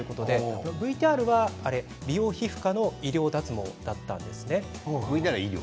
ＶＴＲは美容皮膚科の医療脱毛だったんですね。